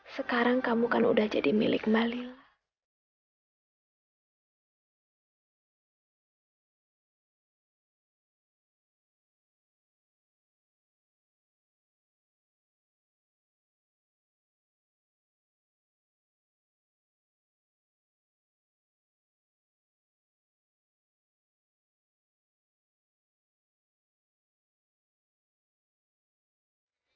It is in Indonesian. sekarang kamu kan udah jadi milik malila